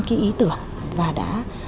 một ý tưởng và đã